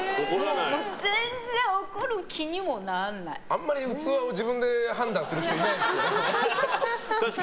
あんまり器を自分で判断する人いないですけどね。